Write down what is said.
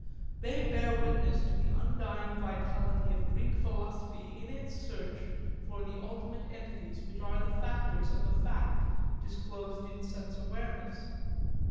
They bear witness to the undying vitality of Greek philosophy in its search for the ultimate entities which are the factors of the fact disclosed in sense awareness.